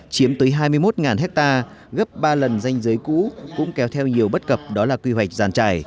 chiếm tới hai mươi một ha gấp ba lần danh giới cũ cũng kéo theo nhiều bất cập đó là quy hoạch giàn trải